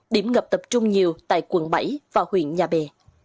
điểm ngập tập trung nhiều tại quận bảy và huyện nhà bè